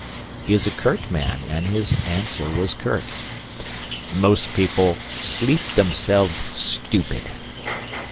He is a curt man, and his answer was curt: "Most people sleep themselves stupid."